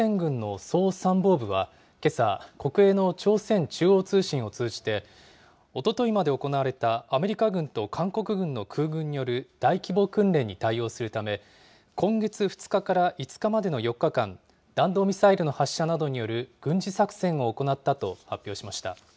北朝鮮軍の総参謀部はけさ、国営の朝鮮中央通信を通じて、おとといまで行われたアメリカ軍と韓国軍の空軍による大規模訓練に対応するため、今月２日から５日までの４日間、弾道ミサイルの発射などによる軍事作戦を行ったと発表しました。